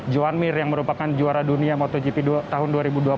johan mir yang merupakan juara dunia motogp tahun dua ribu dua puluh